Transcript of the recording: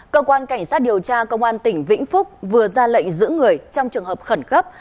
cơ quan cảnh sát điều tra công an tỉnh vĩnh phúc vừa ra lệnh giữ người trong trường hợp khẩn cấp